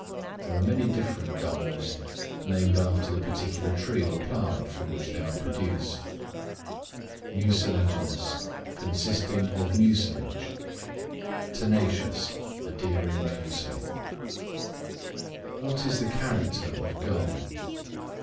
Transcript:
There are many different gums, named after the particular tree or plant from which they are produced. Mucilaginous, consisting of mucilage. Tenacious, adhering closely. What is the character of Gum?